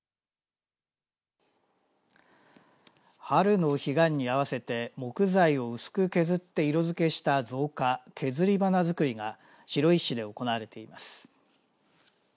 春の彼岸に合わせて木材を薄く削って色づけした造花削り花づくりが白石市で行われています。